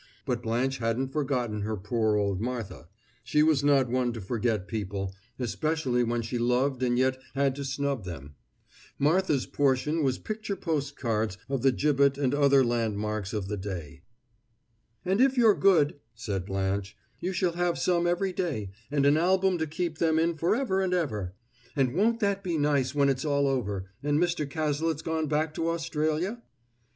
But Blanche hadn't forgotten her poor old Martha; she was not one to forget people, especially when she loved and yet had to snub them. Martha's portion was picture post cards of the Gibbet and other landmarks of the day. "And if you're good," said Blanche, "you shall have some every day, and an album to keep them in forever and ever. And won't that be nice when it's all over, and Mr. Cazalet's gone back to Australia?"